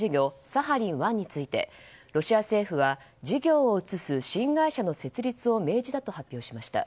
サハリン１についてロシア政府は、事業を移す新会社の設立を命じたと発表しました。